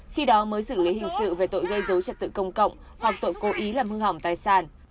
khi đó mới xử lý hình sự về tội gây dối trật tự công cộng hoặc tội cố ý làm hư hỏng tài sản